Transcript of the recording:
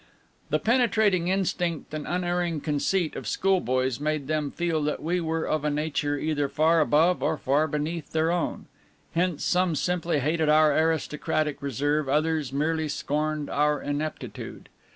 The penetrating instinct and unerring conceit of schoolboys made them feel that we were of a nature either far above or far beneath their own; hence some simply hated our aristocratic reserve, others merely scorned our ineptitude.